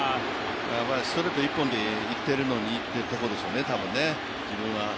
ストレート一本でいってるのにというところでしょうね、多分、自分は。